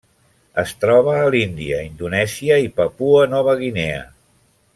Es troba a l'Índia, Indonèsia i Papua Nova Guinea.